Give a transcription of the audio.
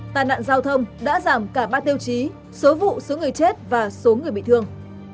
tài nạn giao thông đã giảm cả ba tiêu chí số vụ số người chết và số người bị thương